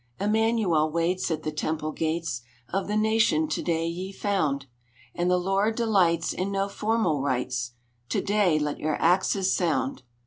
Immanuel waits at the temple gates Of the nation to day ye found, And the Lord delights in no formal rites; To day let your axes sound!"